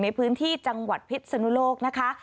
ในพื้นที่จังหวัดพิษสนุโลกนะคะ